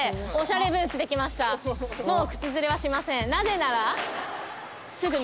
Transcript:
もう靴ずれはしません！